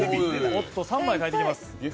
おっと、３枚替えていきます。